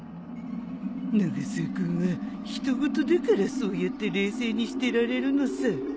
永沢君は人ごとだからそうやって冷静にしてられるのさ